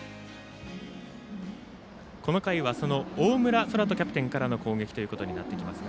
この回はその大村昊澄キャプテンからの攻撃ということになってきます。